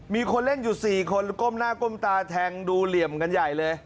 มีคนเล่นอยู่๔คนก้มหน้าก้มตาแทงดูเหลี่ยมกันใหญ่เลย